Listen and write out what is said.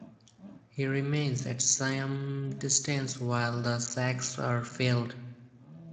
He remains at some distance while the sacks are filled.